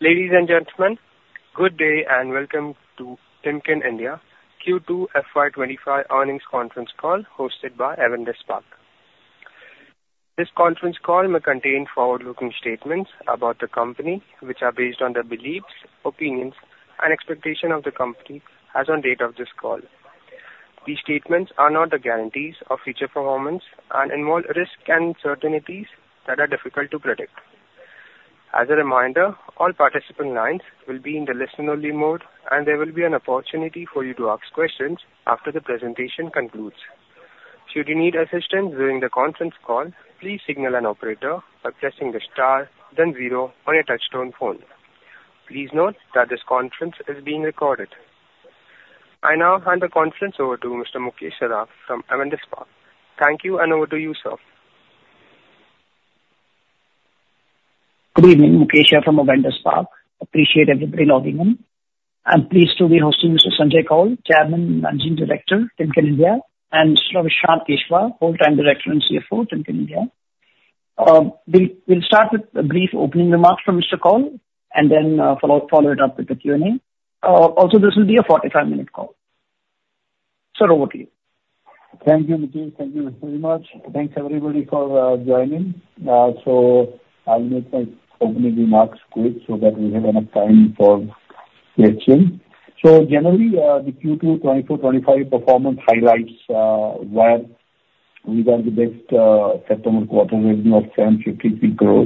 CLadies and gentlemen, good day and welcome to Timken India Q2 FY25 Earnings conference Call hosted by Avendus Spark. This conference call may contain forward-looking statements about the company, which are based on the beliefs, opinions, and expectations of the company as of the date of this call. These statements are not the guarantees of future performance and involve risk and uncertainties that are difficult to predict. As a reminder, all participant lines will be in the listen-only mode, and there will be an opportunity for you to ask questions after the presentation concludes. Should you need assistance during the conference call, please signal an operator by pressing the star, then zero, or a touchstone phone. Please note that this conference is being recorded. I now hand the conference over to Mr. Mukesh Saraf from Avendus Spark. Thank you, and over to you, sir. Good evening, Mukesh here from Avendus Spark. Appreciate everybody logging in. I'm pleased to be hosting Mr. Sanjay Koul, Chairman, Managing Director, Timken India, and Mr. Avishrant Keshava, Whole-time Director and CFO, Timken India. We'll start with a brief opening remark from Mr. Koul and then follow it up with the Q&A. Also, this will be a 45-minute call. Sir, over to you. Thank you, Mukesh. Thank you very much. Thanks, everybody, for joining. I'll make my opening remarks quick so that we have enough time for questions. Generally, the Q2 2024-25 performance highlights were we got the best September quarter revenue of 753 crore,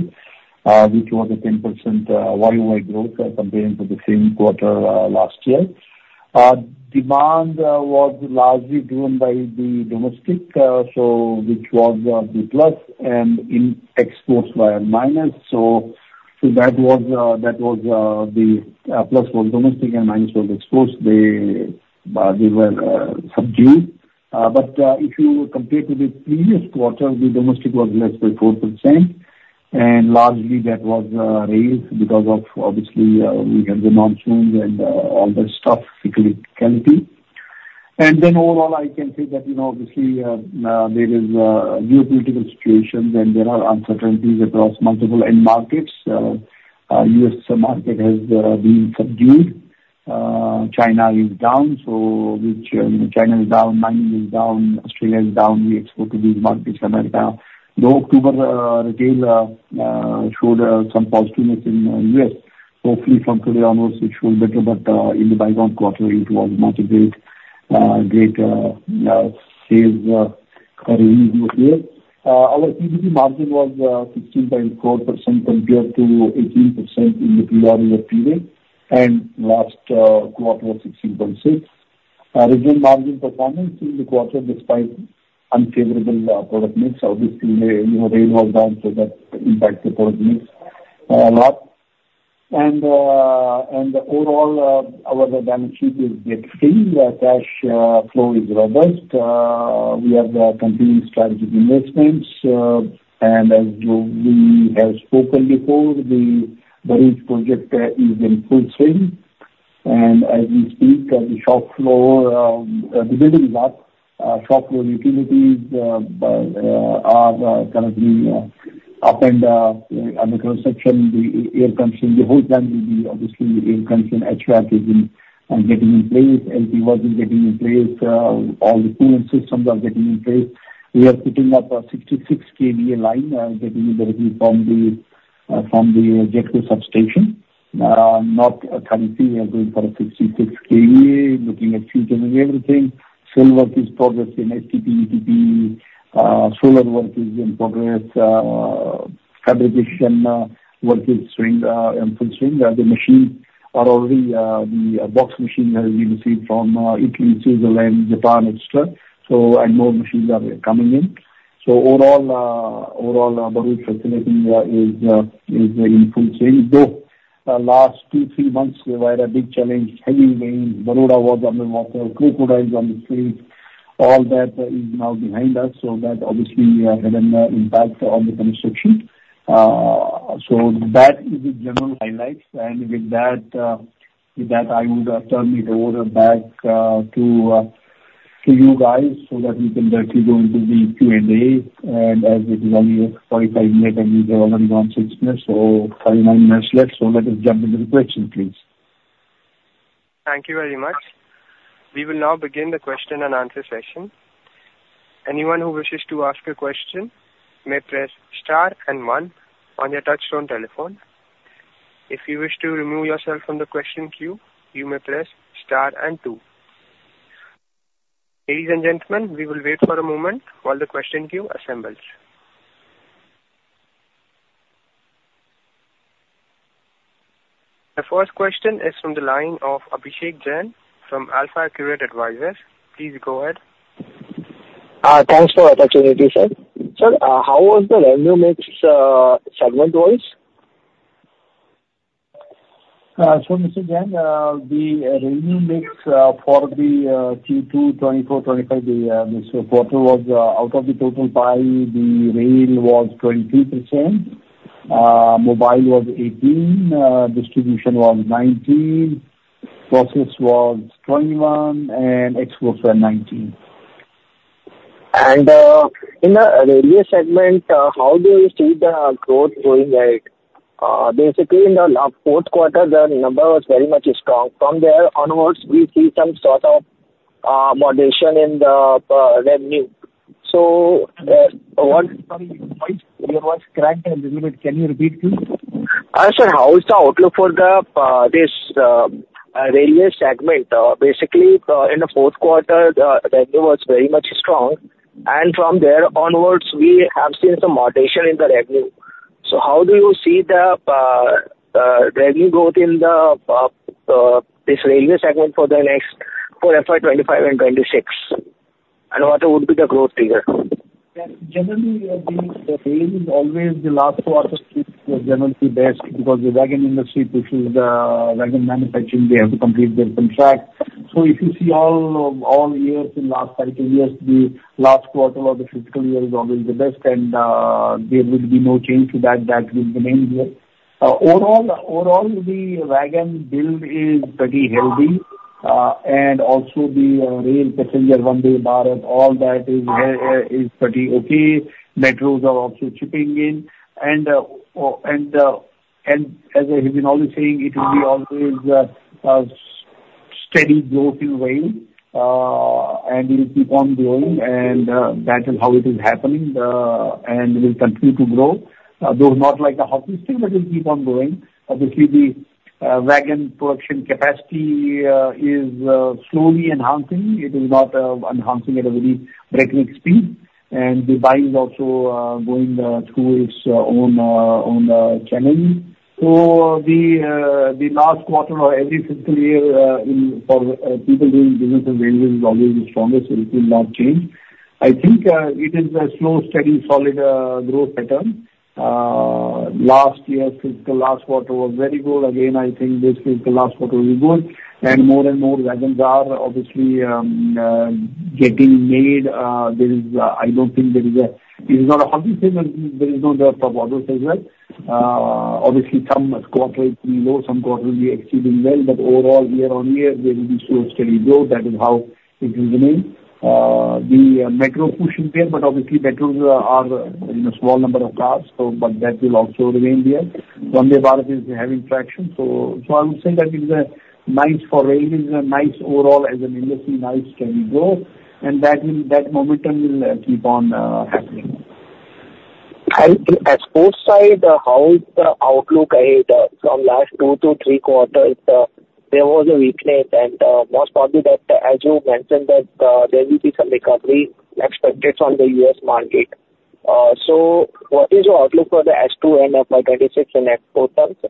which was a 10% YOY growth compared to the same quarter last year. Demand was largely driven by the domestic, which was the plus, and exports were minus. That was the plus was domestic, and minus was exports. They were subdued. But if you compare to the previous quarter, the domestic was less by 4%. And largely, that was raised because of, obviously, we had the monsoons and all that stuff, cyclicality. And then overall, I can say that, obviously, there is a geopolitical situation, and there are uncertainties across multiple end markets. The US market has been subdued. China is down, so China is down, mining is down, Australia is down. We export to these markets. America, though, October retail showed some positiveness in the US. Hopefully, from today onwards, it should be better. But in the quarter, it was not a great sales revenue here. Our PBT margin was 16.4% compared to 18% in the prior year period, and last quarter was 16.6%. Our margin performance in the quarter, despite unfavorable product mix, obviously, the range was down, so that impacted the product mix a lot. And overall, our balance sheet is breaking free. Cash flow is robust. We have continued strategic investments. And as we have spoken before, the Bharuch project is in full swing. And as we speak, the shop floor, the building is up. Shop floor utilities are currently up. On the construction, the air conditioning, the whole plant will be, obviously, the air conditioning HVAC is getting in place. LP wasn't getting in place. All the cooling systems are getting in place. We are putting up a 66 kV line getting directly from the GETCO substation. Not currently, we are going for a 66 kV. Looking at future and everything, civil is progressing STP ETP. Solar work is in progress. Fabrication work is in full swing. The machines are already, the box machine has been received from Italy, Switzerland, Japan, etc. So more machines are coming in. So overall, Bharuch facility is in full swing. Though last two, three months, there were big challenges, heavy rains, Baroda was underwater, crocodiles on the streets. All that is now behind us. That, obviously, had an impact on the construction. That is the general highlights. And with that, I would turn it over back to you guys so that we can directly go into the Q&A. And as it is only 45 minutes, and we have only gone six minutes, so 49 minutes left. So let us jump into the questions, please. Thank you very much. We will now begin the question and answer session. Anyone who wishes to ask a question may press star and one on your touch-tone telephone. If you wish to remove yourself from the question queue, you may press star and two. Ladies and gentlemen, we will wait for a moment while the question queue assembles. The first question is from the line of Abhishek Jain from AlfAccurate Advisors. Please go ahead. Thanks for the opportunity, sir. Sir, how was the revenue mix segment-wise? Mr. Jain, the revenue mix for the Q2 24-25, this quarter was out of the total pie, the rail was 23%, mobile was 18%, distribution was 19%, process was 21%, and exports were 19%. And in the earlier segment, how do you see the growth going ahead? Basically, in the fourth quarter, the number was very much strong. From there onwards, we see some sort of moderation in the revenue. So what? Sorry, your voice cracked a little bit. Can you repeat, please? Sir, how is the outlook for this earlier segment? Basically, in the fourth quarter, revenue was very much strong. And from there onwards, we have seen some moderation in the revenue. So how do you see the revenue growth in this earlier segment for the next FY 2025 and 2026? And what would be the growth figure? Generally, the rail is always the last quarter is generally best because the wagon industry pushes the wagon manufacturing. They have to complete their contract. So if you see all years in the last 30 years, the last quarter of the fiscal year is always the best. And there would be no change to that. That would remain here. Overall, the wagon build is pretty healthy. And also, the rail passenger Vande Bharat and all that is pretty okay. Metros are also chipping in. And as I have been always saying, it will be always a steady growth in rail. And it will keep on growing. And that is how it is happening. And it will continue to grow. Though not like a hockey stick, but it will keep on growing. Obviously, the wagon production capacity is slowly enhancing. It is not enhancing at a very breakneck speed. And the buying is also going through its own channels. So the last quarter of every fiscal year for people doing business and railroads is always the strongest. So it will not change. I think it is a slow, steady, solid growth pattern. Last year, fiscal last quarter was very good. Again, I think this fiscal last quarter will be good. And more and more wagons are obviously getting made. I don't think there is a—it is not a hockey stick, but there is no doubt about it as well. Obviously, some quarter it will be low. Some quarter it will be exceeding well. But overall, year on year, there will be slow, steady growth. That is how it will remain. The metro pushing there. But obviously, metros are a small number of cars. But that will also remain there. Vande Bharat is having traction. So I would say that it is nice for rail. It is nice overall as an industry, nice steady growth. And that momentum will keep on happening. the export side, how is the outlook ahead from last two to three quarters? There was a weakness. And most probably that, as you mentioned, that there will be some recovery expected from the U.S. market. So what is your outlook for the H2 and FY26 and exports?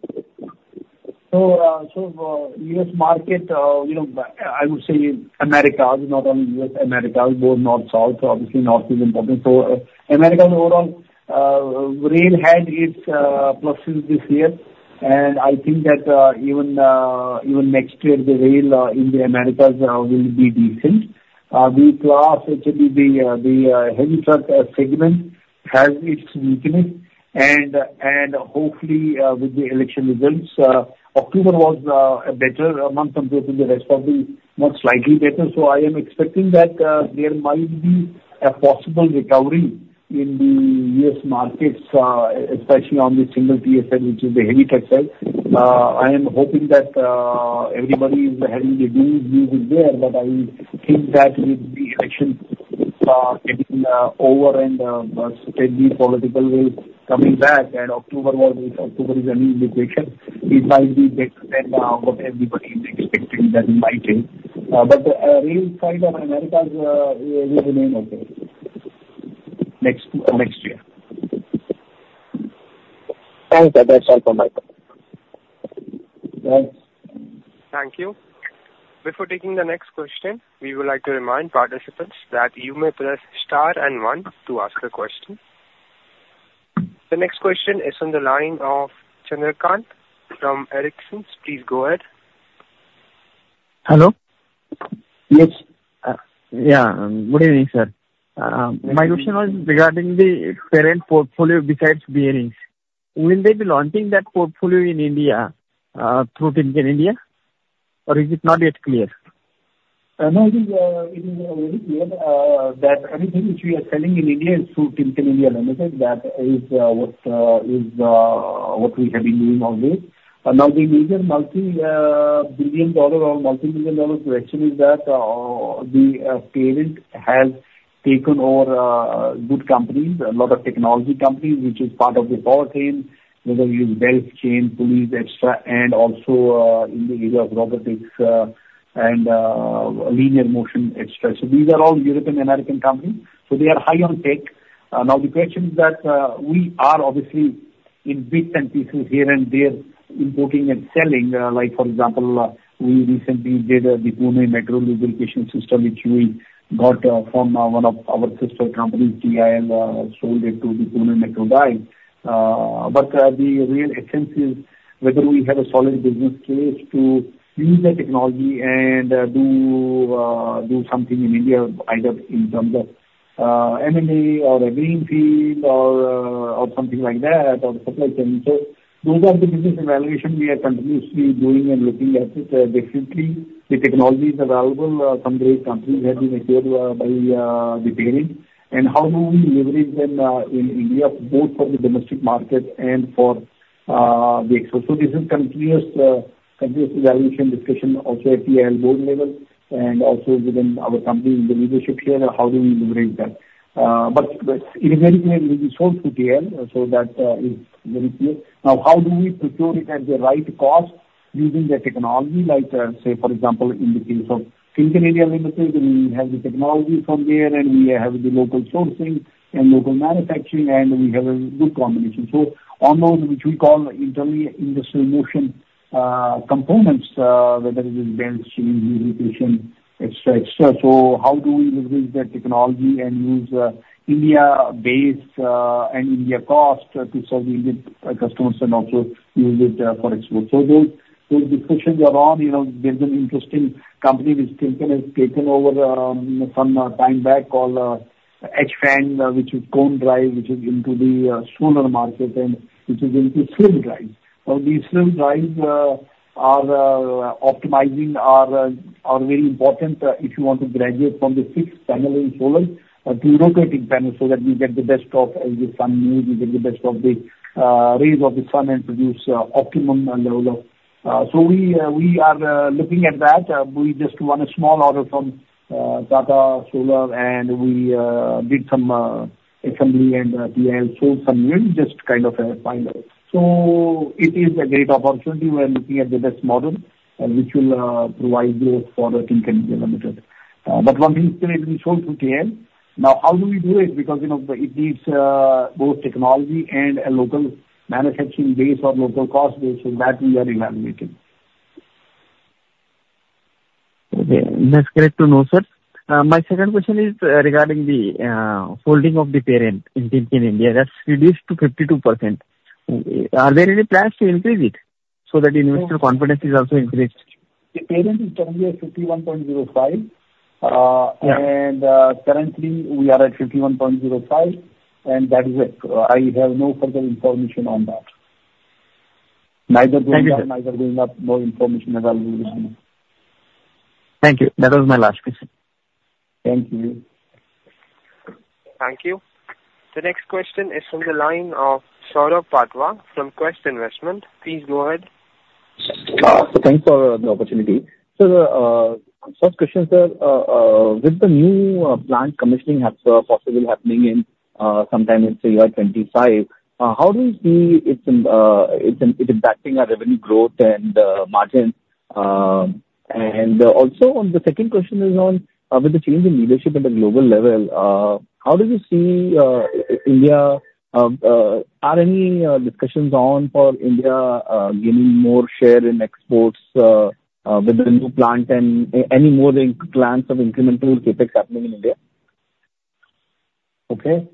U.S. market, I would say Americas, not only U.S., Americas, both north, south. Obviously, north is important. Americas overall, rail had its pluses this year. I think that even next year, the rail in the Americas will be decent. The Class 8 heavy truck segment has its weakness. Hopefully, with the election results, October was a better month compared to the rest of the year, most likely better. I am expecting that there might be a possible recovery in the U.S. markets, especially on the Class 8, which is the heavy truck side. I am hoping that everybody is having their dues there. I think that with the election getting over and steady political coming back, and October is a new indication. It might be better than what everybody is expecting that it might be. But rail side of Americas will remain okay next year. Thanks. That's all from my part. Thanks. Thank you. Before taking the next question, we would like to remind participants that you may press star and one to ask a question. The next question is on the line of Chandrakant from Arihant Capital. Please go ahead. Hello? Yes. Yeah. Good evening, sir. My question was regarding the current portfolio besides bearings. Will they be launching that portfolio in India through Timken India? Or is it not yet clear? No, I think it is already clear that everything which we are selling in India is through Timken India Limited. That is what we have been doing always. Now, the major multi-billion dollar or multi-million dollar question is that the parent has taken over good companies, a lot of technology companies, which is part of the power chain, whether it is belt, chain, pulleys, etc., and also in the area of robotics and linear motion, etc. So these are all European American companies. So they are high on tech. Now, the question is that we are obviously in bits and pieces here and there importing and selling. Like, for example, we recently did the Pune Metro lubrication system, which we got from one of our sister companies, TIL, sold it to the Pune Metro guy. But the real essence is whether we have a solid business case to use that technology and do something in India, either in terms of M&A or a greenfield or something like that or supply chain. So those are the business evaluations we are continuously doing and looking at it differently. The technology is available. Some great companies have been acquired by the parent. And how do we leverage them in India, both for the domestic market and for the export? So this is continuous evaluation discussion also at TIL board level and also within our company in the leadership here. How do we leverage that? But it is very clear. It is sold to TIL, so that is very clear. Now, how do we procure it at the right cost using the technology? Like, say, for example, in the case of Timken India Limited, we have the technology from there, and we have the local sourcing and local manufacturing, and we have a good combination. So on those, which we call internally industrial motion components, whether it is belt, chain, lubrication, etc., etc. So how do we leverage that technology and use India-based and India cost to serve the Indian customers and also use it for export? So those discussions are on. There's an interesting company which Timken has taken over some time back called H-Fang, which is Cone Drive, which is into the solar market and which is into slew drives. Now, these slew drives are optimizing are very important if you want to graduate from the fixed panel in solar to rotating panels so that you get the best of the sun mode, you get the best of the rays of the sun and produce optimum level of. So we are looking at that. We just won a small order from Tata Solar, and we did some assembly, and TIL sold some units just kind of a final. So it is a great opportunity. We are looking at the best model which will provide growth for Timken India Limited. But one thing is still it will be sold to TIL. Now, how do we do it? Because it needs both technology and a local manufacturing base or local cost base. So that we are evaluating. Okay. That's great to know, sir. My second question is regarding the holding of the parent in Timken India. That's reduced to 52%. Are there any plans to increase it so that investor confidence is also increased? The parent is currently at 51.05, and currently, we are at 51.05, and that is it. I have no further information on that. Neither going up, neither going up. No information available with me. Thank you. That was my last question. Thank you. Thank you. The next question is from the line of Saurabh Patwa from Quest Investment Advisors. Please go ahead. Thanks for the opportunity. So the first question, sir, with the new plant commissioning possibly happening sometime in 2025, how do you see it impacting our revenue growth and margins? And also, the second question is on with the change in leadership at a global level, how do you see India? Are any discussions on for India gaining more share in exports with the new plant and any more plans of incremental CapEx happening in India? Okay.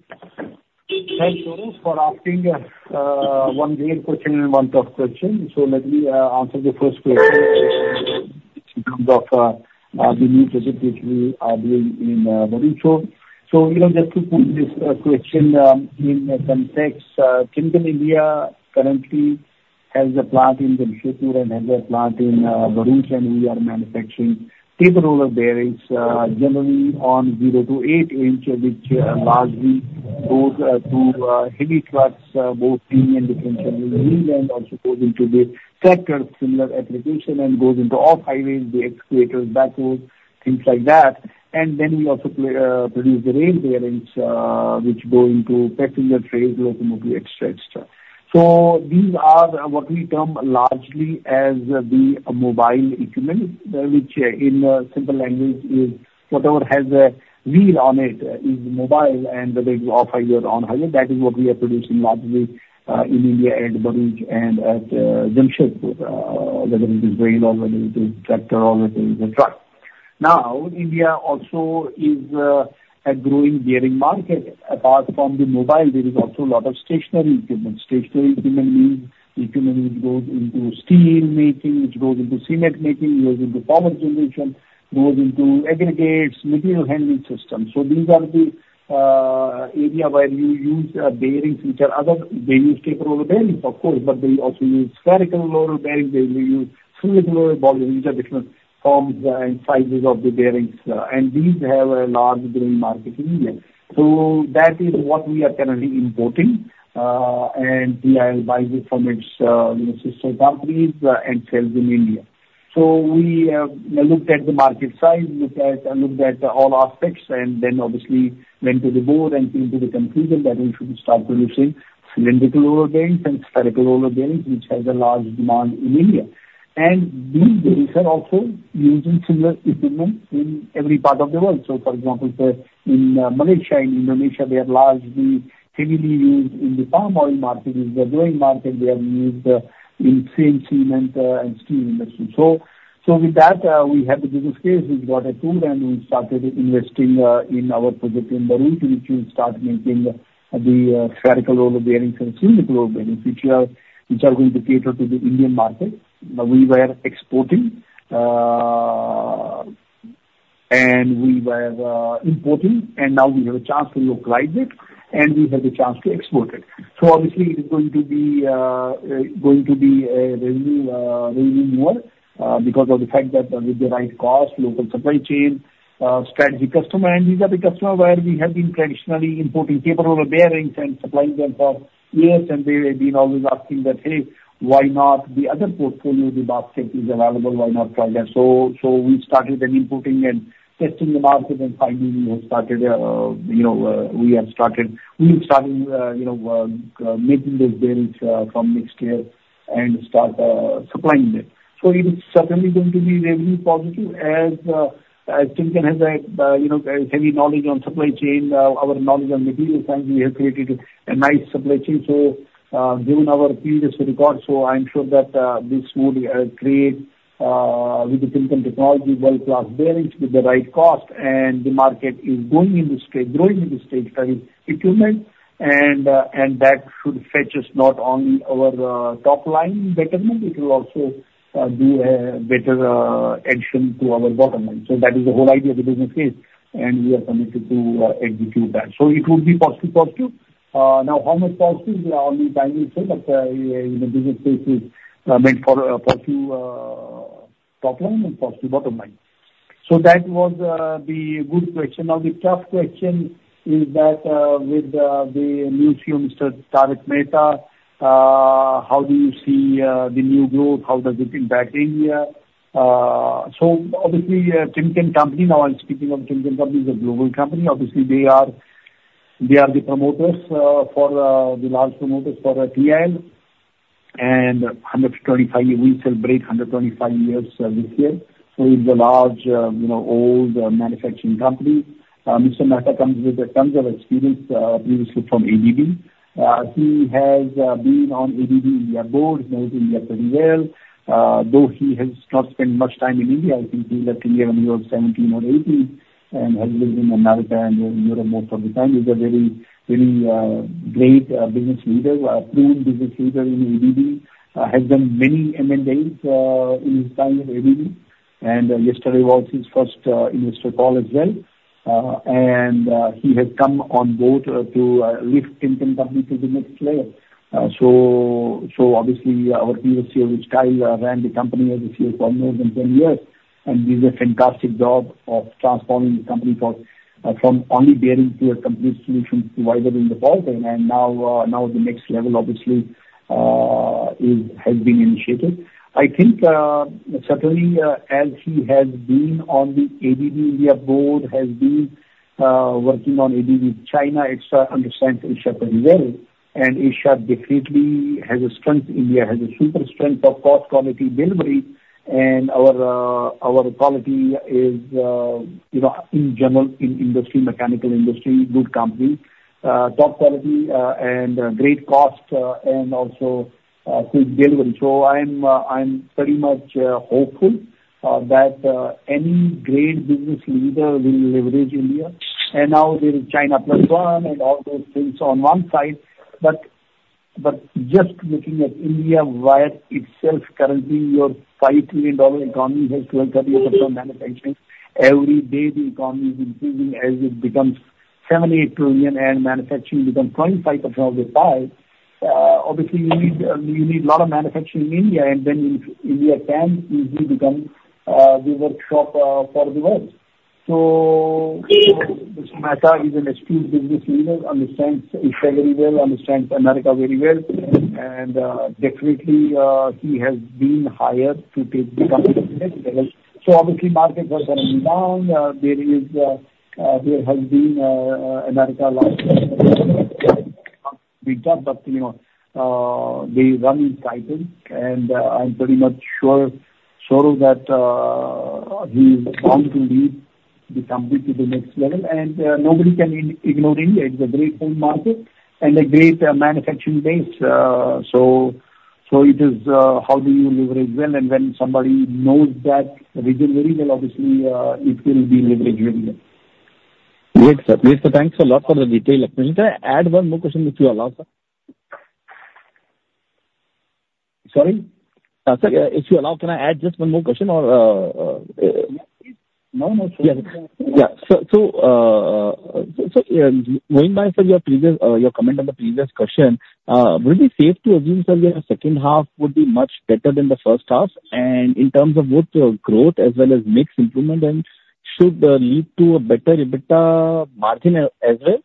Thanks, sir, for asking one great question and one tough question. So let me answer the first question in terms of the new project which we are doing in Bharuch. Just to put this question in context, Timken India currently has a plant in Jamshedpur and has a plant in Bharuch, and we are manufacturing tapered roller bearings generally on 0- to 8-inch, which largely goes to heavy trucks, both axle and differential wheels, and also goes into the tractor and similar applications and goes into off-highway, the excavators, backhoes, things like that. Then we also produce the rail bearings which go into passenger trains, locomotives, etc. These are what we term largely as the mobile equipment, which in simple language is whatever has a wheel on it is mobile. Whether it is off-highway or on-highway, that is what we are producing largely in India and Bharuch and at Jamshedpur, whether it is rail or whether it is tractor or whether it is a truck. Now, India also is a growing bearing market. Apart from the mobile, there is also a lot of stationary equipment. Stationary equipment means equipment which goes into steel making, which goes into cement making, goes into power generation, goes into aggregates, material handling systems. These are the areas where you use bearings, which are other. They use tapered roller bearings, of course, but they also use spherical roller bearings. They may use cylindrical roller bearings. These are different forms and sizes of the bearings, and these have a large growing market in India. That is what we are currently importing, and TIL buys it from its sister companies and sells in India. We looked at the market size, looked at all aspects, and then obviously went to the board and came to the conclusion that we should start producing cylindrical roller bearings and spherical roller bearings, which has a large demand in India. These bearings are also used in similar equipment in every part of the world. So for example, in Malaysia, in Indonesia, they are largely heavily used in the palm oil market. In the oil market, they are used in the same cement and steel industry. So with that, we have the business case. We got a tool and we started investing in our project in Bharuch, which will start making the spherical roller bearings and cylindrical roller bearings, which are going to cater to the Indian market. We were exporting and we were importing. And now we have a chance to localize it. And we have the chance to export it. Obviously, it is going to be revenue more because of the fact that with the right cost, local supply chain, strategic customer, and these are the customers where we have been traditionally importing tapered roller bearings and supplying them for years. They have been always asking that, "Hey, why not the other portfolio, the basket is available? Why not try that?" We started then importing and testing the market and finally we have started making those bearings from mixed gear and start supplying them. It is certainly going to be revenue positive as Timken has a heavy knowledge on supply chain, our knowledge on material science. We have created a nice supply chain. Given our previous record, I'm sure that this would create with the Timken technology, world-class bearings with the right cost. The market is going into stage growing into stage for equipment. And that should fetch us not only our top line betterment, it will also do a better addition to our bottom line. So that is the whole idea of the business case. And we are committed to execute that. So it would be positive, positive. Now, how much positive? We are only timing still, but the business case is meant for positive top line and positive bottom line. So that was the good question. Now, the tough question is that with the new CEO, Mr. Tarak Mehta, how do you see the new growth? How does it impact India? So obviously, Timken Company now I'm speaking of Timken Company is a global company. Obviously, they are the promoters for the largest promoters for TIL. And 125 weeks will break 125 years this year. So it's a large old manufacturing company. Mr. Mehta comes with tons of experience previously from ABB. He has been on ABB India board. He knows India pretty well. Though he has not spent much time in India, I think he left India when he was 17 or 18 and has lived in America and Europe most of the time. He's a very, very great business leader, a proven business leader in ABB. He has done many M&As in his time at ABB. And yesterday was his first investor call as well. And he has come on board to lift Timken Company to the next layer. So obviously, our previous CEO, Rich Kyle, ran the company as a CEO for more than 10 years. And he did a fantastic job of transforming the company from only bearings to a complete solution provider in the power chain. And now the next level obviously has been initiated. I think certainly as he has been on the ABB India board, has been working on ABB China, etc., understands Asia pretty well. And Asia definitely has a strength. India has a super strength of cost quality delivery. And our quality is in general in industry, mechanical industry, good company, top quality and great cost and also good delivery. So I'm pretty much hopeful that any great business leader will leverage India. And now there is China plus one and all those things on one side. But just looking at India by itself, currently your $5 trillion economy has 12-30% manufacturing. Every day the economy is improving as it becomes 7-8 trillion and manufacturing becomes 25% of the pie. Obviously, you need a lot of manufacturing in India. And then India can easily become the workshop for the world. So Mr. Mehta is an astute business leader, understands Asia very well, understands America very well. And definitely he has been hired to take the company to the next level. So obviously markets are going to be down. There has been America last year. But they run in cycles. And I'm pretty much sure that he's bound to lead the company to the next level. And nobody can ignore India. It's a great home market and a great manufacturing base. So it is how do you leverage well? And when somebody knows that region very well, obviously it will be leveraged very well. Great, sir. Thanks a lot for the detailed explanation. Can I add one more question if you allow, sir? Sorry? Yes, sir? If you allow, can I add just one more question or? No, no, sure. Yeah. So going by, sir, your comment on the previous question, would it be safe to assume, sir, that the second half would be much better than the first half? And in terms of both growth as well as mixed improvement, and should lead to a better EBITDA margin as well?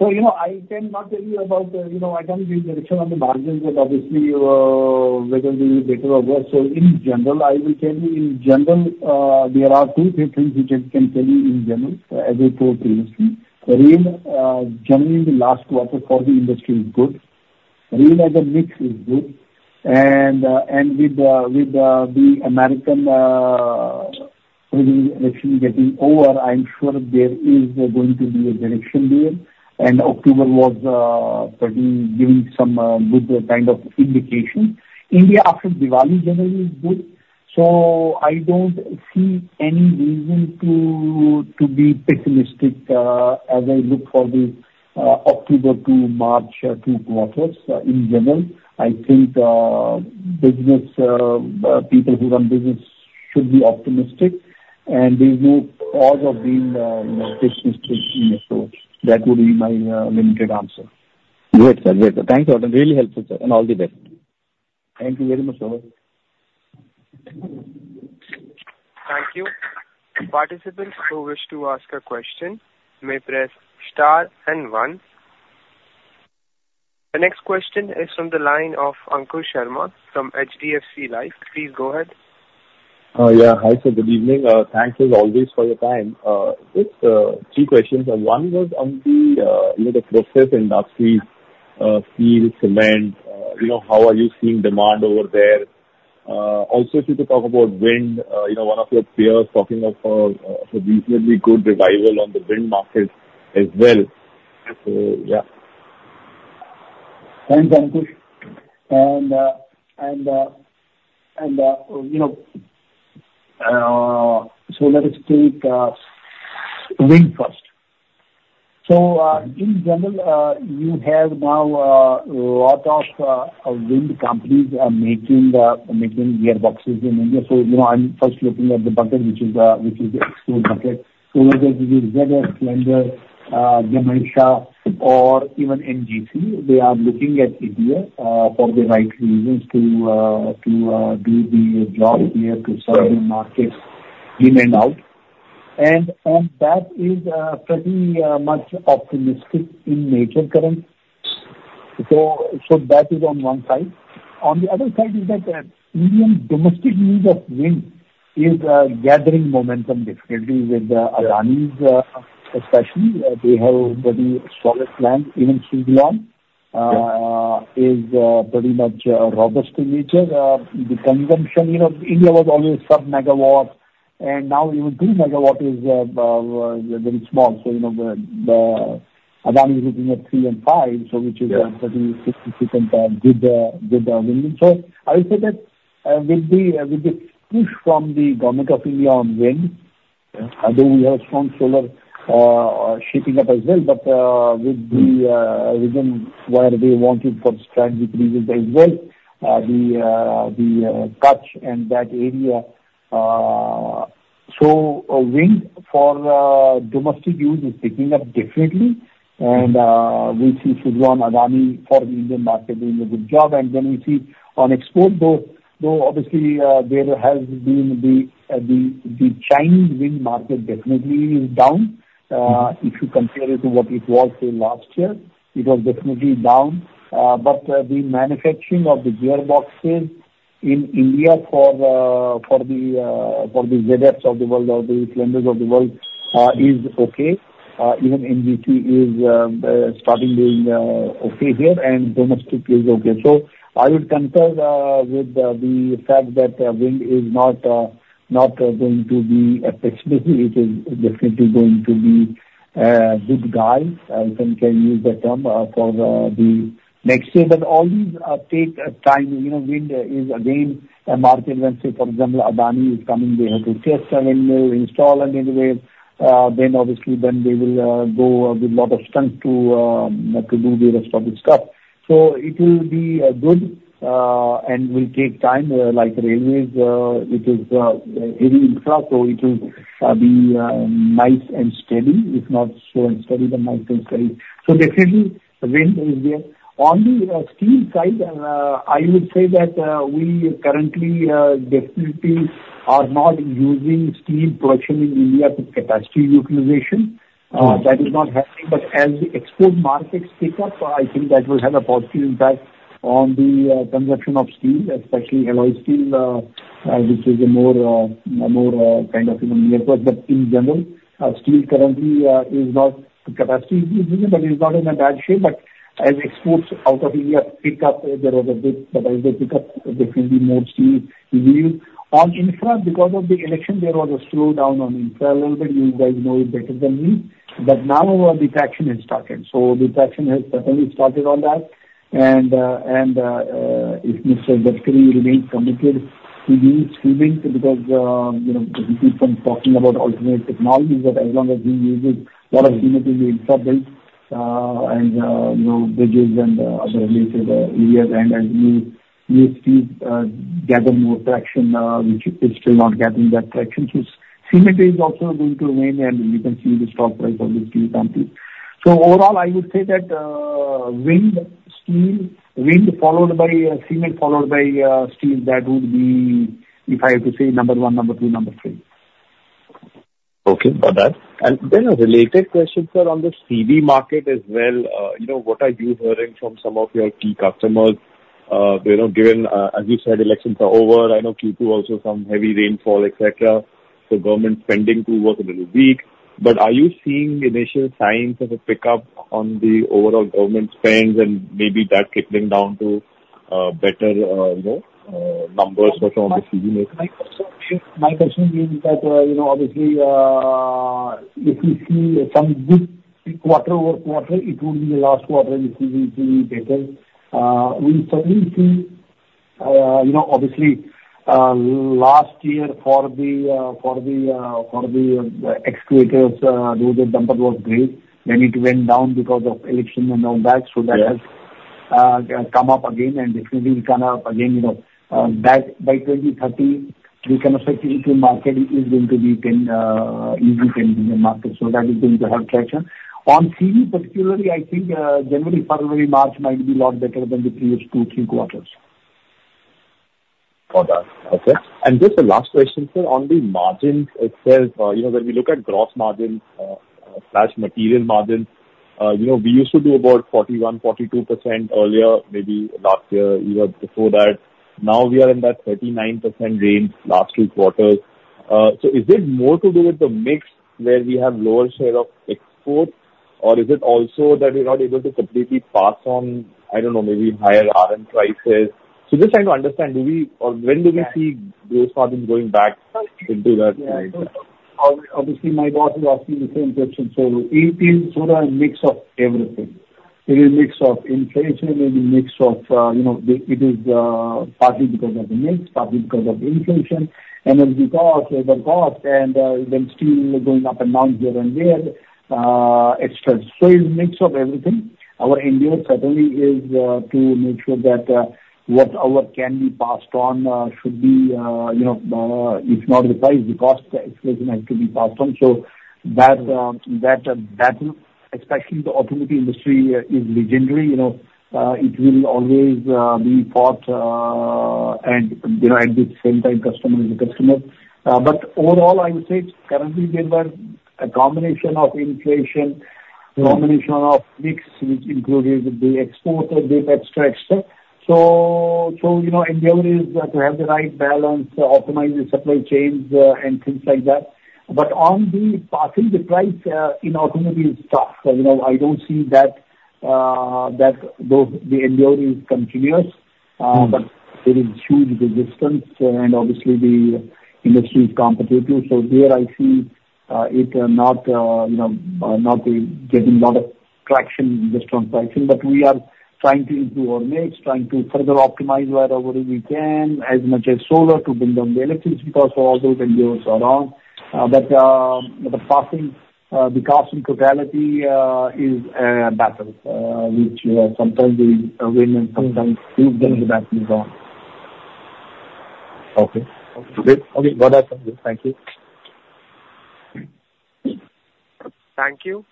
So I cannot tell you about. I can't give direction on the margins, but obviously whether they will be better or worse. In general, I will tell you in general, there are two three things which I can tell you in general, as I told previously. Rail, generally in the last quarter for the industry is good. Rail as a mix is good. With the American election getting over, I'm sure there is going to be a direction there. October was giving some good kind of indication. India after Diwali generally is good. I don't see any reason to be pessimistic as I look for the October to March two quarters in general. I think business people who run business should be optimistic. There's no cause of being pessimistic in it. That would be my limited answer. Great, sir. Great. Thank you, Adam. Really helpful, sir. And all the best. Thank you very much, sir. Thank you. Participants who wish to ask a question may press star and one. The next question is from the line of Ankur Sharma from HDFC Life. Please go ahead. Yeah. Hi, sir. Good evening. Thank you as always for your time. Just three questions. One was on the process industry, steel, cement. How are you seeing demand over there? Also, if you could talk about wind, one of your peers talking of a reasonably good revival on the wind market as well. So yeah. Thanks, Ankur. And so let us take wind first. So in general, you have now a lot of wind companies making gearboxes in India. So I'm first looking at the bucket, which is the export bucket. So whether it is ZF, Flender, Danieli, or even NGC, they are looking at India for the right reasons to do the job here to serve the market in and out. And that is pretty much optimistic in nature currently. So that is on one side. On the other side is that Indian domestic need of wind is gathering momentum definitely with Adani's especially. They have a pretty solid plan. Even Suzlon is pretty much robust in nature. The consumption in India was always sub-megawatt. And now even two megawatt is very small. So Adani is looking at three and five, which is a pretty significant good wind. So I would say that with the push from the Government of India on wind, although we have a strong solar shaping up as well, but with the reason why they wanted for strategic reasons as well, the touch and that area. So wind for domestic use is picking up definitely. And we see Suzlon, Adani for the Indian market doing a good job. And then we see on export, though obviously there has been the Chinese wind market definitely is down. If you compare it to what it was last year, it was definitely down. But the manufacturing of the gearboxes in India for the ZS of the world or the Flender of the world is okay. Even NGC is starting being okay here. And domestic is okay. So I would concur with the fact that wind is not going to be a pessimist. It is definitely going to be a good year. I think I can use that term for the next year. But all these take time. Wind is again a market. Let's say, for example, Adani is coming. They have to test and install and anyway, then obviously then they will go with a lot of strength to do the rest of this stuff. So it will be good and will take time. Like railways, it is heavy infrastructure. So it will be nice and steady. If not slow and steady, then nice and steady. So definitely wind is there. On the steel side, I would say that we currently definitely are not using steel production in India to capacity utilization. That is not happening. But as the export markets pick up, I think that will have a positive impact on the consumption of steel, especially alloy steel, which is a more kind of nearby. But in general, steel currently is not to capacity utilization, but it's not in a bad shape. But as exports out of India pick up, there was a bit that as they pick up, definitely more steel is used. On infra, because of the election, there was a slowdown on infra a little bit. You guys know it better than me. But now the traction has started. So the traction has certainly started on that. And if Mr. Gadkari remains committed to use cement, because he keeps on talking about alternative technologies, but as long as he uses a lot of cement in the infra build and bridges and other related areas, and as new steel gathers more traction, which is still not gathering that traction. So cement is also going to remain, and you can see the stock price of the steel companies. So overall, I would say that wind, steel, wind followed by cement, followed by steel, that would be, if I have to say, number one, number two, number three. Okay. Got that. And then a related question, sir, on the CV market as well. What are you hearing from some of your key customers? Given, as you said, elections are over. I know Q2 also some heavy rainfall, etc. So government spending too was a little weak. But are you seeing initial signs of a pickup on the overall government spends and maybe that trickling down to better numbers for some of the CV makers? My personal view is that obviously if we see some good quarter over quarter, it would be the last quarter which is usually better. We certainly see, obviously, last year for the excavators, those that dumped was great. Then it went down because of election and all that. So that has come up again. And definitely we kind of again, by 2030, we can expect the market is going to be easily 10 million market. So that is going to help traction. On CV, particularly, I think January, February, March might be a lot better than the previous two, three quarters. Got that. Okay. And just the last question, sir, on the margins itself, when we look at gross margins/material margins, we used to do about 41%-42% earlier, maybe last year even before that. Now we are in that 39% range last two quarters. So is it more to do with the mix where we have lower share of export, or is it also that we're not able to completely pass on, I don't know, maybe higher RM prices? So just trying to understand, when do we see gross margins going back into that range? Obviously, my boss is asking the same question. So it is sort of a mix of everything. It is a mix of inflation. It is a mix of it is partly because of the mix, partly because of inflation, energy cost, labor cost, and then steel going up and down here and there, etc. So it's a mix of everything. Our end goal certainly is to make sure that whatever can be passed on should be, if not the price, the cost expression has to be passed on. So that, especially the automotive industry is legendary. It will always be fought at the same time, customer is a customer. But overall, I would say currently there was a combination of inflation, combination of mix which included the export, the debt, etc., etc. So endeavor is to have the right balance, optimize the supply chains and things like that. But on passing the price in automotive stuff, I don't see that the endeavor is continuous. But there is huge resistance. And obviously, the industry is competitive. So here I see it not getting a lot of traction. But we are trying to improve our margins, trying to further optimize wherever we can as much as solar to bring down the electricity cost. So all those endeavors are on. But passing the cost in totality is a battle which sometimes we win and sometimes lose when the battle is on. Okay. Okay. Got that. Thank you. Thank you.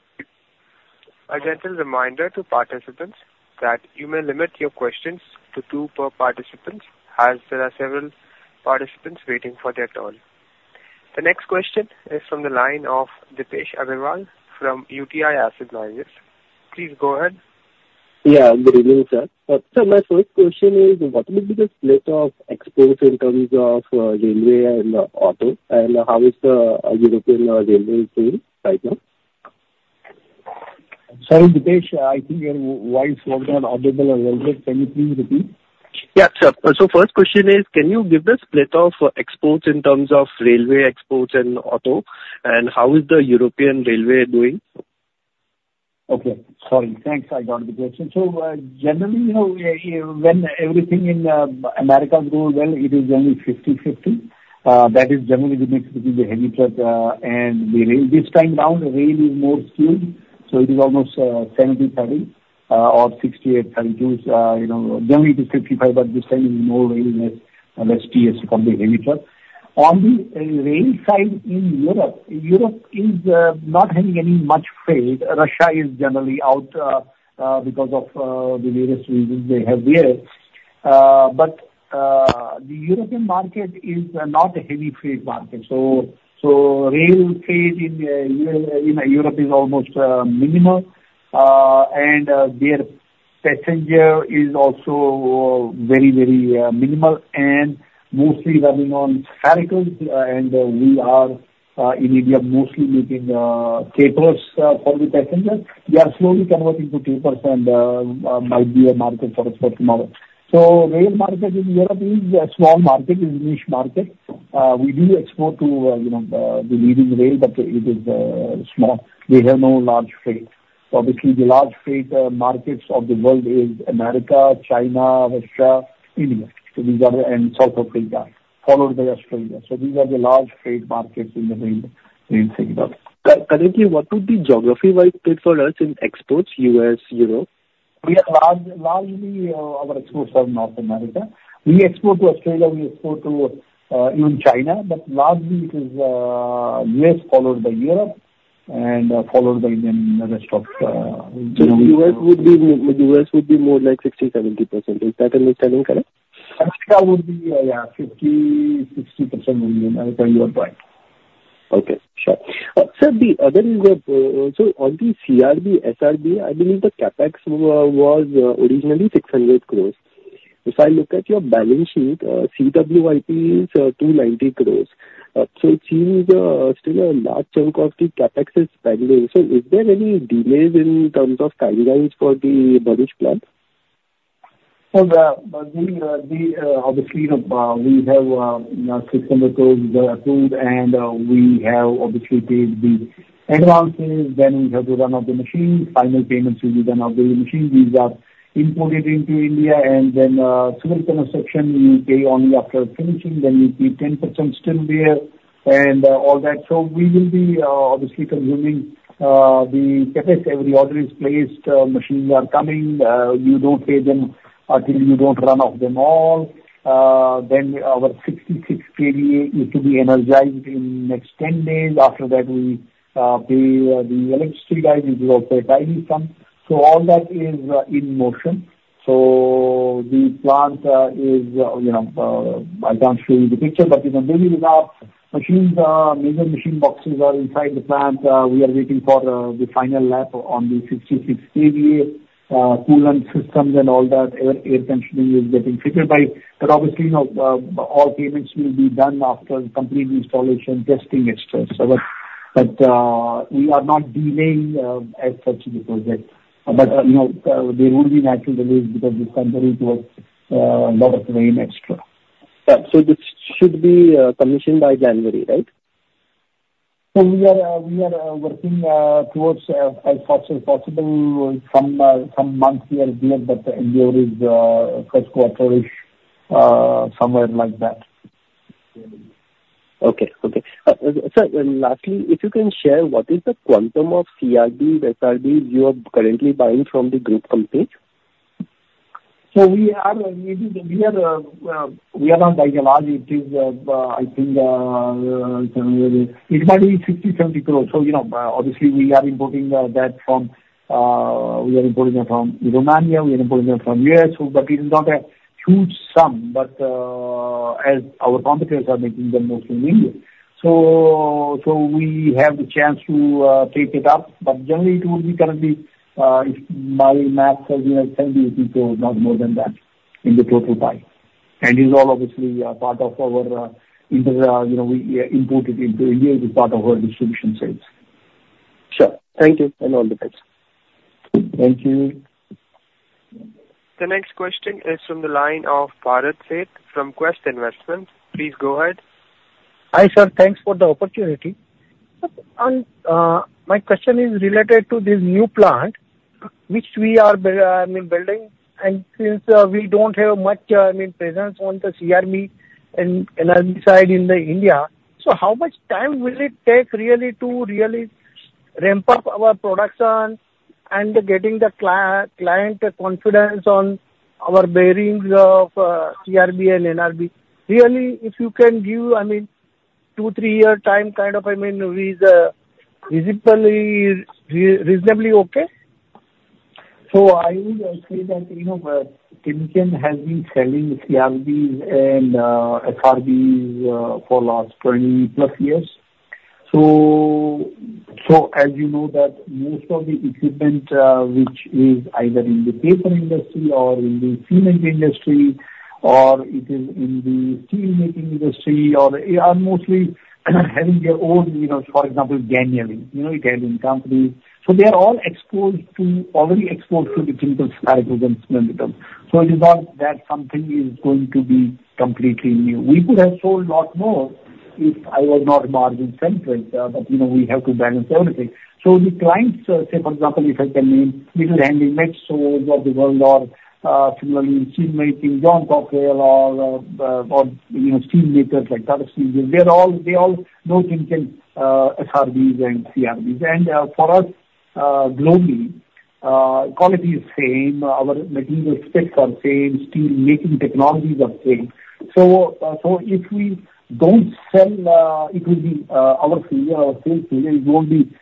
A gentle reminder to participants that you may limit your questions to two per participant as there are several participants waiting for their turn. The next question is from the line of Deepesh Agarwal from UTI Asset Management. Please go ahead. Yeah. Good evening, sir. So my first question is, what is the biggest player exposure in terms of railway and auto? And how is the European railway doing right now? Sorry, Deepesh, I think your voice was not audible a little bit. Can you please repeat? Yeah, sir. So first question is, can you give the split of exports in terms of railway exports and auto? And how is the European railway doing? Okay. Sorry. Thanks. I got the question. So generally, when everything in America goes well, it is generally 50-50. That is generally the mix between the heavy truck. And this time around, rail is more skewed. So it is almost 70-30 or 68-32. Generally, it is 55, but this time it is more rail, less TS from the heavy truck. On the rail side in Europe, Europe is not having any much trade. Russia is generally out because of the various reasons they have there. But the European market is not a heavy trade market. So rail trade in Europe is almost minimal. And their passenger is also very, very minimal and mostly running on freight goods. And we are in India mostly making coaches for the passengers. They are slowly converting to coaches and might be a market for export tomorrow. So rail market in Europe is a small market, is a niche market. We do export to the leading rail, but it is small. We have no large freight. Obviously, the large freight markets of the world are America, China, Russia, India, and South Africa, followed by Australia. So these are the large freight markets in the rail sector. Currently, what would be geography-wise play for us in exports, US, Europe? Largely, our exports are North America. We export to Australia. We export to even China. But largely, it is US followed by Europe and followed by the rest of the world. So US would be more like 60%-70%. Is that understanding correct? Africa would be, yeah, 50%-60% on the U.S. side. So the other is that on the CRB, SRB, I believe the CapEx was originally 600 crore. If I look at your balance sheet, CWIP is 290 crore. So it seems still a large chunk of the CapEx is pending. So is there any delays in terms of timelines for the Bharuch plant? So obviously, we have INR 600 crore approved, and we have obviously paid the advances. Then we have to run up the machines. Final payments will be done up the machines. These are imported into India. And then civil construction, you pay only after finishing. Then you keep 10% still there and all that. So we will be obviously consuming the CapEx. Every order is placed. Machines are coming. You don't pay them until you don't run off them all. Then our 66 kV is to be energized in the next 10 days. After that, we pay the electricity guys, which is also a tiny sum. So all that is in motion. So the plant is, I can't show you the picture, but in a busy without machines, major machine boxes are inside the plant. We are waiting for the final lap on the 66 kV, coolant systems and all that. Air conditioning is getting fixed by, but obviously, all payments will be done after complete installation, testing, etc. But we are not delaying as such the project. But there will be natural delays because this time there is a lot of rain, etc. This should be commissioned by January, right? So we are working towards as fast as possible. Some months we are there, but the endeavor is first quarter-ish, somewhere like that. Okay. So lastly, if you can share what is the quantum of CRB, SRB you are currently buying from the group companies? So we are on the large. I think it might be 60-70 crores. So obviously, we are importing it from Romania. We are importing it from U.S., but it is not a huge sum. But as our competitors are making the most in India. So we have the chance to take it up. But generally, it will be currently, if my math tells me, it will be not more than that in the total price. And it is all obviously part of our imports into India, which is part of our distribution sales. Sure. Thank you. And all the best. Thank you. The next question is from the line of Bharat Sheth from Quest Investment Advisors. Please go ahead. Hi, sir, thanks for the opportunity. My question is related to this new plant which we are building, and since we don't have much presence on the CRB side in India, so how much time will it take really to ramp up our production and getting the client confidence on our bearings of CRB and NRB. Really, if you can give two, three years' time kind of, I mean, reasonably okay? So I would say that Timken has been selling CRBs and SRBs for the last 20-plus years. So as you know, most of the equipment which is either in the paper industry or in the cement industry or it is in the steel making industry are mostly having their own, for example, Danieli, Italian company. So they are all exposed to the chemicals like cement. So it is not that something is going to be completely new. We could have sold a lot more if I was not margin-centric, but we have to balance everything. So the clients, say, for example, if I can name Lafarge Holcim or the world or similarly steel making, John Cockerill or steel makers like Tata Steel, they all know Timken SRBs and CRBs. And for us globally, quality is same. Our material specs are same. Steelmaking technologies are same, so if we don't sell, it will be our failure. Our sales failure will be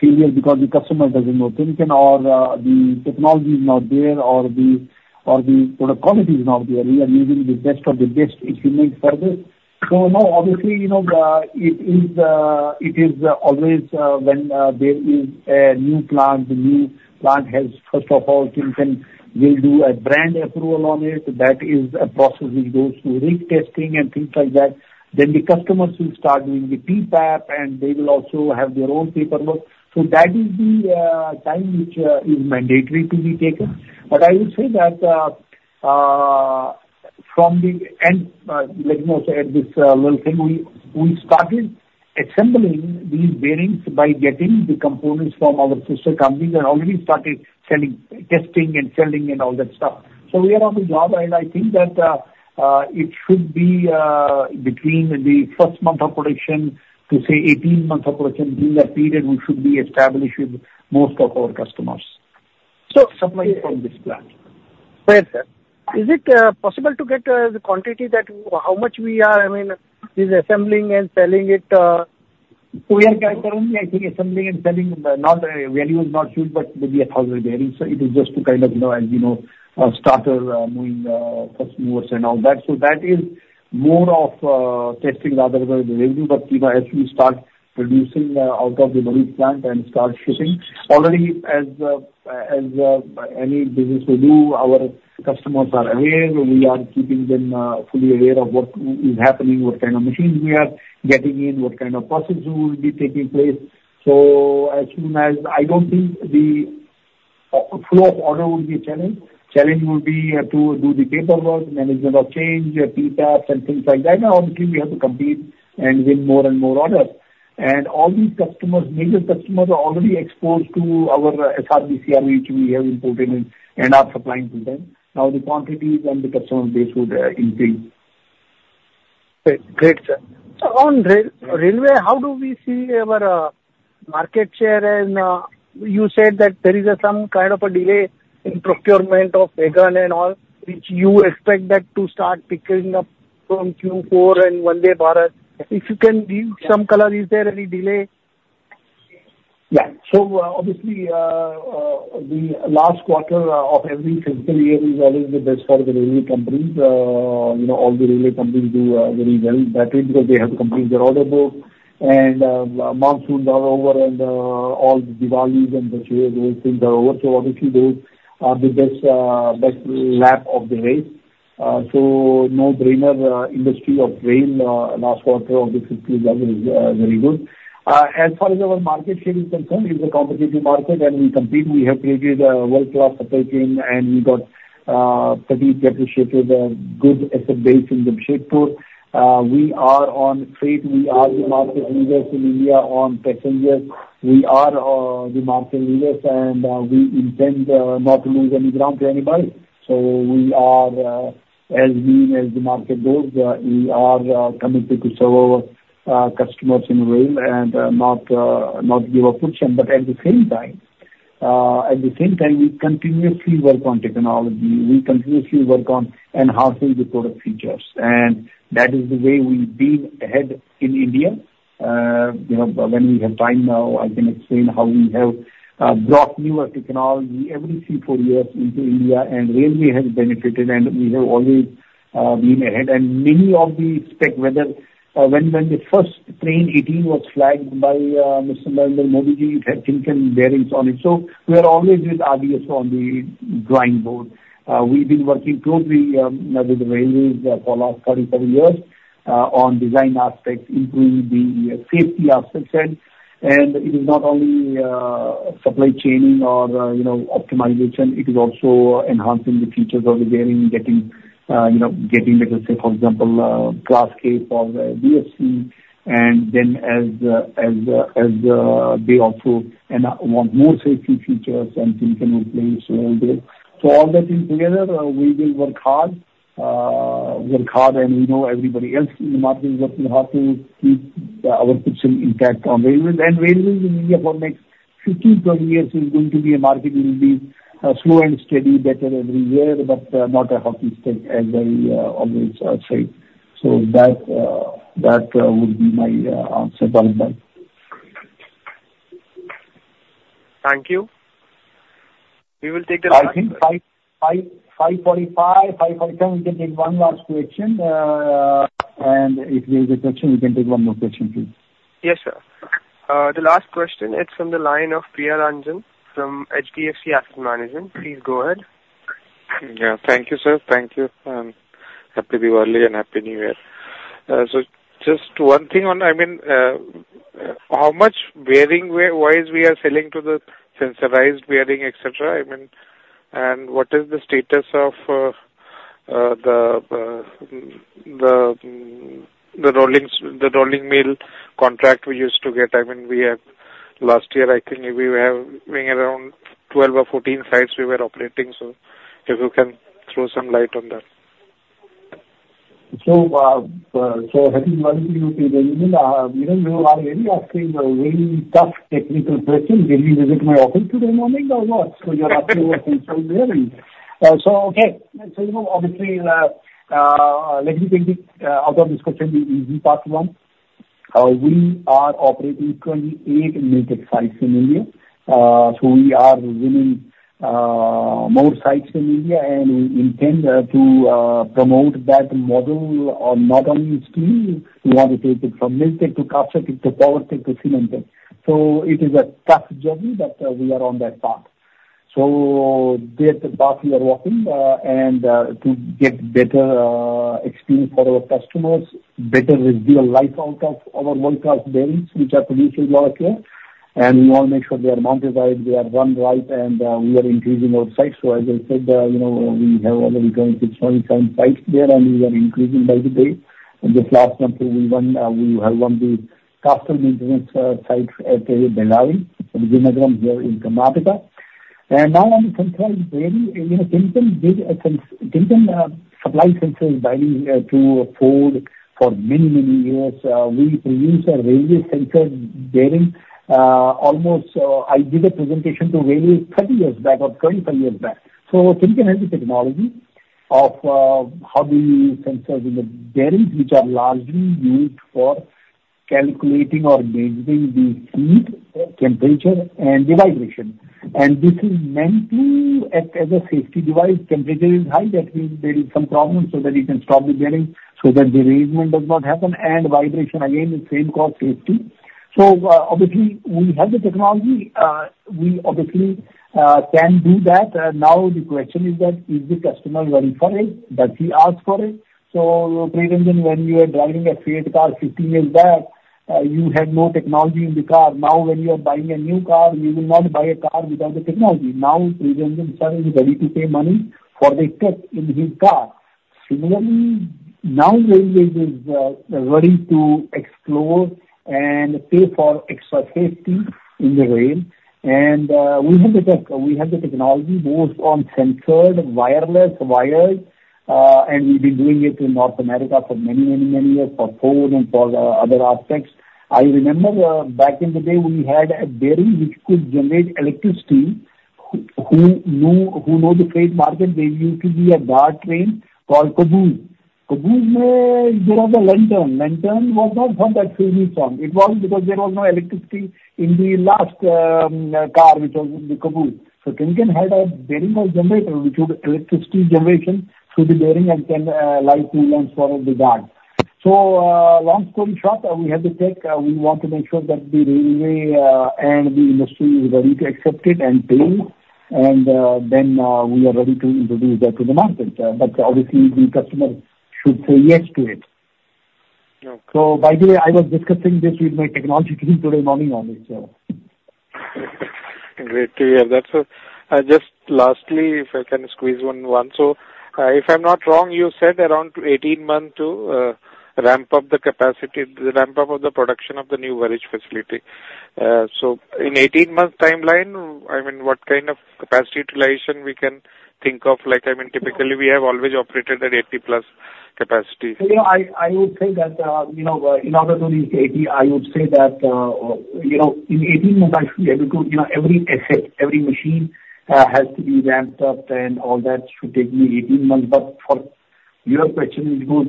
failure because the customer doesn't know Timken or the technology is not there or the product quality is not there. We are using the best of the best if you need service, so no, obviously, it is always when there is a new plant, the new plant has, first of all, Timken will do a brand approval on it. That is a process which goes through rig testing and things like that, then the customers will start doing the PPAP, and they will also have their own paperwork, so that is the time which is mandatory to be taken, but I would say that from the end, let me also add this little thing. We started assembling these bearings by getting the components from our sister companies and already started testing and selling and all that stuff. So we are on the job. And I think that it should be between the first month of production to, say, 18 months of production. During that period, we should be established with most of our customers supplying from this plant. Great, sir. Is it possible to get the quantity that how much we are, I mean, is assembling and selling it? We are currently, I think, assembling and selling. The value is not huge, but maybe 1,000 bearings, so it is just to kind of, as you know, start to move customers and all that, so that is more of testing rather than the revenue but as we start producing out of the plant and start shipping, already, as any business will do, our customers are aware. We are keeping them fully aware of what is happening, what kind of machines we are getting in, what kind of processes will be taking place, so as soon as I don't think the flow of orders will be a challenge. Challenge will be to do the paperwork, management of change, PPAPs, and things like that. Obviously, we have to compete and win more and more orders. All these customers, major customers, are already exposed to our SRB, CRB which we have imported and are supplying to them. Now the quantities and the customer base would increase. Great, sir. On railway, how do we see our market share? And you said that there is some kind of a delay in procurement of wagons and all, which you expect that to start picking up from Q4 and Vande Bharat. If you can give some color, is there any delay? Yeah. So obviously, the last quarter of every fiscal year is always the best for the railway companies. All the railway companies do very well because they have to complete their order books. And monsoons are over, and all the Diwali and the Chhath, those things are over. So obviously, those are the last lap of the race. So no-brainer, the rail industry last quarter of the fiscal year is very good. As far as our market share is concerned, it is a competitive market, and we compete. We have created a world-class supply chain, and we got pretty well-depreciated good asset base in the Jamshedpur. We are on freight. We are the market leaders in India on passengers. We are the market leaders, and we intend not to lose any ground to anybody. So as far as the market goes, we are committed to serve our customers in rail and not give up position. But at the same time, at the same time, we continuously work on technology. We continuously work on enhancing the product features. And that is the way we've been ahead in India. When we have time now, I can explain how we have brought newer technology every three, four years into India, and railway has benefited, and we have always been ahead. And many of the specs, when the first Train 18 was flagged by Mr. Narendra Modi, it had Timken bearings on it. So we are always with RDSO on the drawing board. We've been working closely with the railways for the last 37 years on design aspects, improving the safety aspects. And it is not only supply chaining or optimization. It is also enhancing the features of the bearing, getting better, say, for example, Class K or DFC, and then as they also want more safety features and Timken will place all this, so all that together, we will work hard, work hard, and we know everybody else in the market is working hard to keep our position intact on railways, and railways in India for the next 15, 20 years is going to be a market will be slow and steady, better every year, but not a hockey stick, as I always say, so that would be my answer. Thank you. We will take the last. I think 5:45, 5:47, we can take one last question, and if there is a question, we can take one more question, please. Yes, sir. The last question, it's from the line of Priya Ranjan from HDFC Asset Management. Please go ahead. Yeah. Thank you, sir. Thank you and happy Diwali and happy New Year. So just one thing on, I mean, how much bearing-wise we are selling to the sensorized bearing, etc.? I mean, and what is the status of the rolling mill contract we used to get? I mean, last year, I think we were having around 12 or 14 sites we were operating. So if you can throw some light on that. Happy Diwali to you too. We are really asking a very tough technical question. Did you visit my office today morning or what? So you're asking for some bearings. So okay. So obviously, let me take it out of this question, the easy part one. We are operating 28 MILLTEC sites in India. So we are running more sites in India, and we intend to promote that model on not only steel. We want to take it from MILLTEC to caster tech to power tech to cement tech. So it is a tough journey, but we are on that path. So that's the path we are walking. And to get better experience for our customers, better real life out of our world-class bearings, which are produced with a lot of care. We want to make sure they are mounted right, they are run right, and we are increasing our sites. As I said, we have already 26, 27 sites there, and we are increasing by the day. Just last month, we have won the caster maintenance site at Dolvi, Bellary here in Karnataka. Now on the sensorized bearing, Timken supplied sensor bearings to Ford for many, many years. We produce a railway sensor bearing. Almost I did a presentation to railways 30 years back or 25 years back. Timken has the technology of how the sensors in the bearings, which are largely used for calculating or measuring the heat, temperature, and the vibration. This is meant to, as a safety device, temperature is high, that means there is some problem so that you can stop the bearing so that the derailment does not happen. And vibration, again, the same cost safety. So obviously, we have the technology. We obviously can do that. Now the question is that is the customer ready for it? Does he ask for it? So Priya Ranjan, when you were driving a freight car 15 years back, you had no technology in the car. Now when you are buying a new car, you will not buy a car without the technology. Now Priya Ranjan sir is ready to pay money for the tech in his car. Similarly, now railways is ready to explore and pay for extra safety in the rail. And we have the tech. We have the technology both on sensorized, wireless, wired. And we've been doing it in North America for many, many, many years for Ford and for other aspects. I remember back in the day, we had a bearing which could generate electricity. Who knows the freight market? They used to be a dark train called Caboose. Caboose, there was a lantern. Lantern was not for that filming song. It was because there was no electricity in the last car, which was the Caboose. So Timken had a bearing or generator, which would electricity generation through the bearing and can light two lamps for the guard. So long story short, we have the tech. We want to make sure that the railway and the industry is ready to accept it and pay. And then we are ready to introduce that to the market. But obviously, the customer should say yes to it. So by the way, I was discussing this with my technology team today morning on it, sir. Great to hear. Just lastly, if I can squeeze in one. So if I'm not wrong, you said around 18 months to ramp up the capacity, ramp up of the production of the new Bharuch facility. So in 18 months timeline, I mean, what kind of capacity utilization we can think of? I mean, typically, we have always operated at 80-plus capacity. I would say that in order to reach 80%, I would say that in 18 months, I should be able to every asset, every machine has to be ramped up, and all that should take me 18 months, but for your question, it goes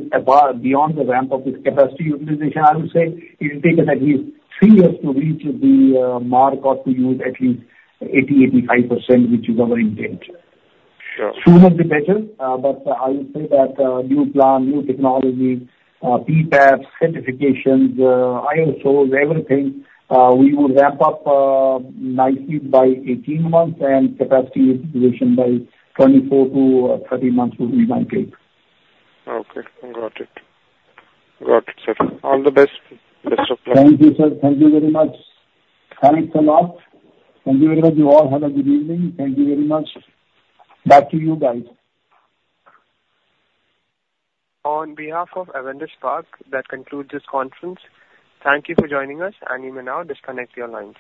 beyond the ramp up with capacity utilization. I would say it will take us at least three years to reach the mark or to use at least 80-85%, which is our intent. Sooner the better, but I would say that new plan, new technology, PPAPs, certifications, ISOs, everything, we would ramp up nicely by 18 months and capacity utilization by 24-30 months would be my take. Okay. Got it. Got it, sir. All the best. Best of luck. Thank you, sir. Thank you very much. Thanks a lot. Thank you very much. You all have a good evening. Thank you very much. Back to you guys. On behalf of Avendus Spark, that concludes this conference. Thank you for joining us, and you may now disconnect your lines.